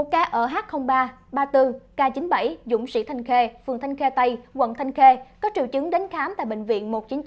một ca ở h ba ba mươi bốn k chín mươi bảy dũng sĩ thanh khê phường thanh khê tây quận thanh khê có triều chứng đến khám tại bệnh viện một trăm chín mươi chín